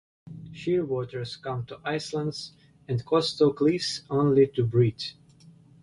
Shearwaters come to islands and coastal cliffs only to breed.